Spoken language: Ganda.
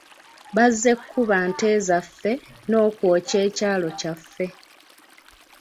Bazze kubba nte zaaffe n'okwokya ekyalo kyaffe.